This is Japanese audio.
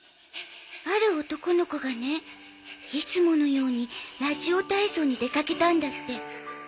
ある男の子がねいつものようにラジオ体操に出かけたんだって。